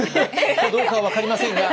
かどうかは分かりませんが。